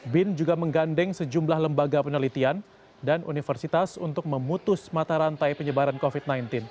bin juga menggandeng sejumlah lembaga penelitian dan universitas untuk memutus mata rantai penyebaran covid sembilan belas